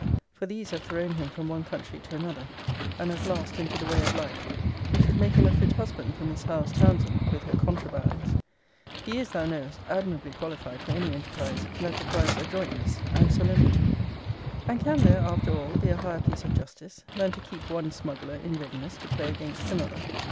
For these have thrown him from one country to another; and at last, into the way of life, which would make him a fit husband for Miss Howe's Townsend with her contrabands. He is, thou knowest, admirably qualified for any enterprize that requires adroitness and solemnity. And can there, after all, be a higher piece of justice, than to keep one smuggler in readiness to play against another?